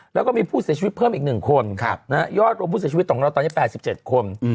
แล้วก็มีผู้เสียชีวิตเพิ่มอีก๑คนยอดรวมผู้เสียชีวิตของเราตอนนี้๘๗คน